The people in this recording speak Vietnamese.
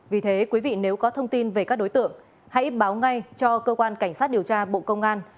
vì thế quý vị nếu có thông tin về các đối tượng hãy báo ngay cho cơ quan cảnh sát điều tra bộ công an